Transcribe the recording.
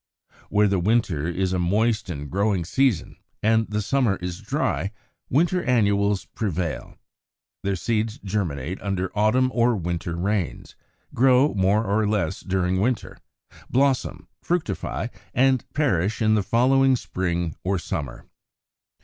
Where the winter is a moist and growing season and the summer is dry, winter annuals prevail; their seeds germinate under autumn or winter rains, grow more or less during winter, blossom, fructify, and perish in the following spring or summer.